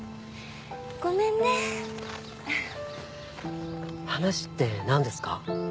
ごめんね話って何ですか？